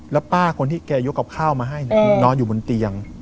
แล้วป้าคนที่แกยกกับข้าวมาให้นอนอยู่บนเตียง